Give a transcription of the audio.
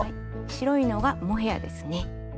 白いのがモヘアですね。